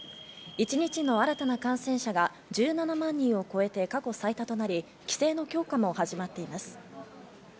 一日の新たな感染者が１７万人を超えて過去最多となり、規制の強化も始まっています。